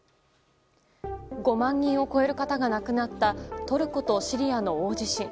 ５万人を超える方が亡くなったトルコとシリアの大地震。